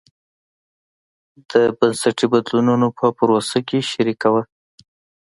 د بنسټي بدلونونو په پروسه کې شریکه وه.